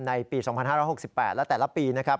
ในปี๒๕๖๘และแต่ละปีนะครับ